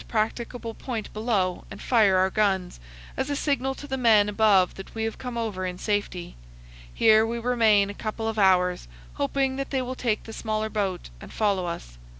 practicable point below, and fire our guns, as a signal to the men above that we have come over in safety. Here we remain a couple of hours, hoping that they will take the smaller boat and follow us.